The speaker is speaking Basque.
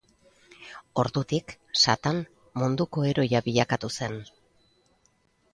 Ordutik Satan munduko heroia bilakatu zen.